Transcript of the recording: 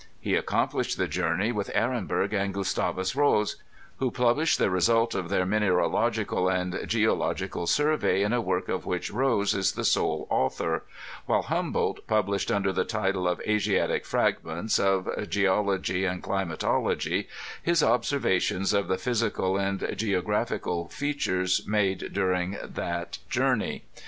He accomplished the journey with Ehrenberg and Gustavus Rose, who published the result of their mineralogical and geological survey in a work of which Rose is the sole author ; while Humboldt published under the title of Asiatic Fragments of Geology and Climatolo gy, his observations of the physical and geographical features made during that journey.